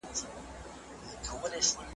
هغه سړی چي له هلمنده راغلی، ډېر مهربان دی.